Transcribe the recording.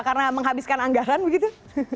karena menghabiskan anggaran begitu